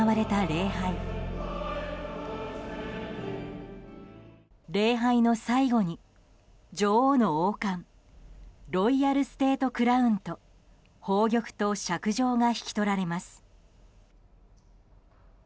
礼拝の最後に女王の王冠ロイヤルステートクラウンと宝玉と勺杖が引き取られます。